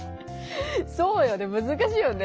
そうよねむずかしいよね。